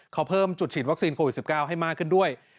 เขาเพิ่มจุดฉีดวัคซีนโควิด๑๙ให้มากขึ้นด้วย